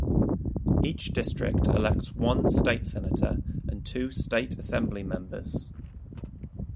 Each district elects one State Senator and two State Assembly members.